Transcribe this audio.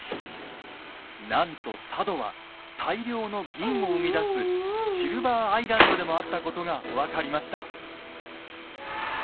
なんと佐渡は大量の銀を生み出す「シルバーアイランド」でもあったことが分かりました。